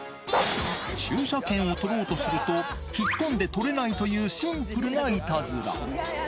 駐車券を取ろうとすると、引っ込んで取れないというシンプルないたずら。